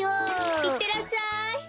いってらっしゃい。